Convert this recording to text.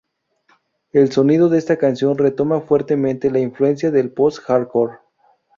El sonido de esta canción retoma fuertemente la influencia del "post-hardcore".